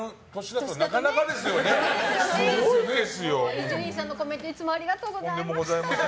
伊集院さんのコメントいつもありがとうございました。